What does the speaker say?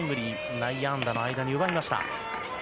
内野安打の間に奪いました。